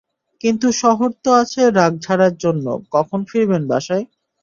কিন্তু শহর তো আছে রাগ ঝাড়ার জন্য কখন ফিরবেন বাসায়?